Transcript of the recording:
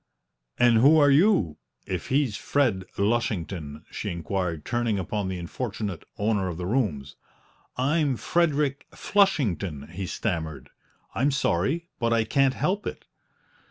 "And who are you, if he's Fred Lushington?" she inquired, turning upon the unfortunate owner of the rooms. "I'm Frederick Flushington," he stammered; "I'm sorry but I can't help it!"